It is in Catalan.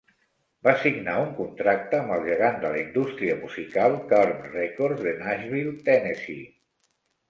Va signar un contracte amb el gegant de la indústria musical Curb Records de Nashville, Tennessee.